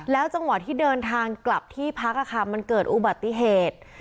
จังหวะที่เดินทางกลับที่พักมันเกิดอุบัติเหตุ